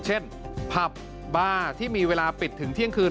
เช่นผับบาร์ที่มีเวลาปิดถึงเที่ยงคืน